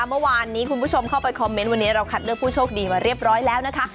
เมื่อวานนี้คุณผู้ชมเข้าไปคอมเมนต์วันนี้เราคัดเลือกผู้โชคดีมาเรียบร้อยแล้วนะคะ